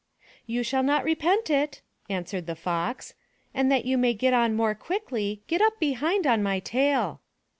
"You shall not repent it,*' answered the Fox. "And that you may get on more quickly, get up behind on my tail."